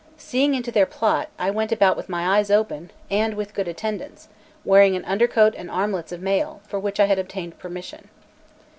Seeing into their plot, I went about with my eyes open and with good attendance, wearing an under coat and armlets of mail, for which I had obtained permission.